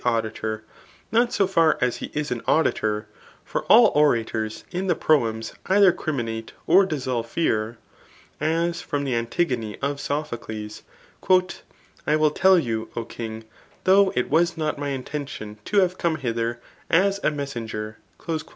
261 auditor, not so far as he is an auditor ; for all orators in the proems either criminate, or dissolve fear ; as [Itota the Antigone of Sophocles,] ^^ I will tell, O king, though it was not my intention to have come hither as a messen* ger."